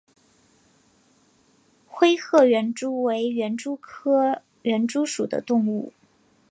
灰褐园蛛为园蛛科园蛛属的动物。